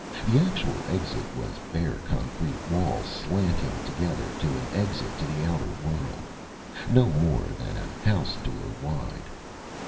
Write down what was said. The actual exit was bare concrete walls slanting together to an exit to the outer world; no more than a house door wide.